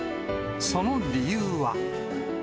その理由は。